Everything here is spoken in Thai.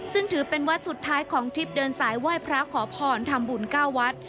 ซึ่งถือเป็นวัดสุดท้ายของทริปเดินสายไหว้พระขอพรทำบุญ๙วัด